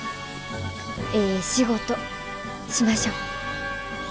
ええ仕事しましょう！